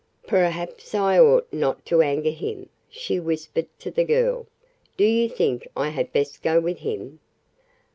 "Perhaps I ought not to anger him," she whispered to the girl. "Do you think I had best go with him?"